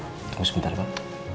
tunggu sebentar pak